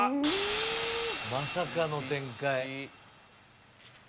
まさかの展開。